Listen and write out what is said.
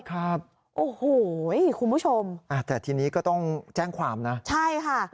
ครับโอ้โหคุณผู้ชมอ่าแต่ทีนี้ก็ต้องแจ้งความนะใช่ค่ะ